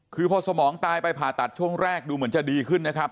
คือพอสมองตายไปผ่าตัดช่วงแรกดูเหมือนจะดีขึ้นนะครับ